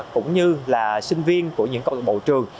cũng như là sinh viên của những cộng đồng bầu trường